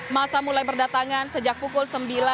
masa mulai berdatangan sejak pukul sembilan empat puluh lima